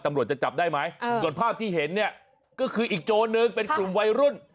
ตำรวจจะจับได้ไหมส่วนภาพที่เห็นเนี่ยก็คืออีกโจรนึงเป็นกลุ่มวัยรุ่น